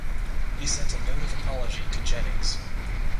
He sent a note of apology to Jennings.